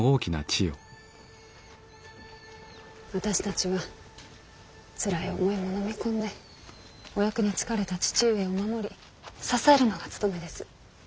私たちはつらい思いものみ込んでお役につかれた父上を守り支えるのが務めです。